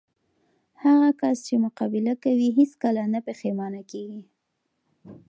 هغه کس چې مقابله کوي، هیڅ کله نه پښېمانه کېږي.